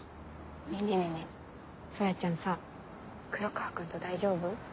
ねぇねぇ空ちゃんさ黒川君と大丈夫？